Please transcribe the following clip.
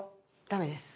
ダメです。